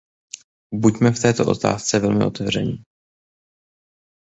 Buďme v této otázce velmi otevření.